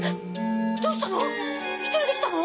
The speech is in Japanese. どうしたの？